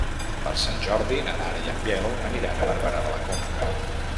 Per Sant Jordi na Nara i en Biel aniran a Barberà de la Conca.